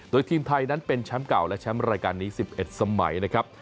โดยทีมไทยนั้นเป็นแชมป์เก่าและแชมป์รายการนี้๑๑สมัยนะครับ